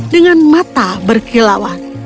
dengan mata berkilauan